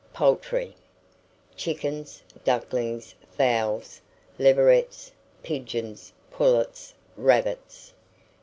POULTRY. Chickens, ducklings, fowls, leverets, pigeons, pullets, rabbits.